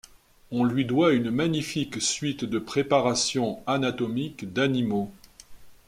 On lui doit une magnifique suite de préparations anatomiques d’animaux.